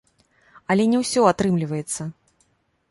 Але не ўсё атрымліваецца.